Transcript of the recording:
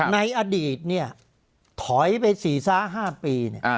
ในอดีตเนี่ยถอยไปศีรษะ๕ปี